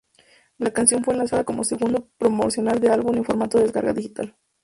La canción fue lanzada como segundo promocional del álbum en formato de descarga digital.